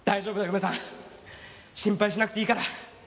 梅さん心配しなくていいから。